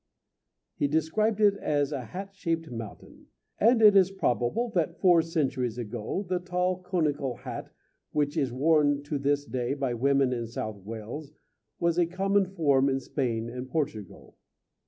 He described it as a hat shaped mountain; and it is probable that, four centuries ago, the tall, conical hat, which is worn to this day by women in South Wales, was a common form in Spain and Portugal.